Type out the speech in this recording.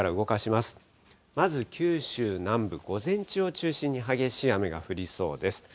まず九州南部、午前中を中心に激しい雨が降りそうです。